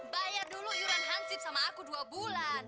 bayar dulu iuran hansip sama aku dua bulan